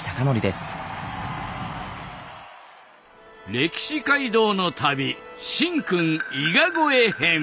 歴史街道の旅神君伊賀越え編。